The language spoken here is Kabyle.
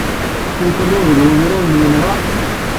Kemm telliḍ deg wenrar n wenɣa?